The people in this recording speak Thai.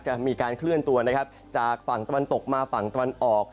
จะมีการเคลื่อนตัวนะครับจากฝั่งตะวันตกมาฝั่งตะวันออก